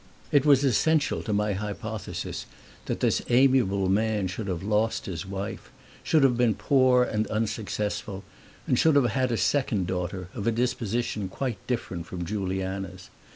It was essential to my hypothesis that this amiable man should have lost his wife, should have been poor and unsuccessful and should have had a second daughter, of a disposition quite different from Juliana's.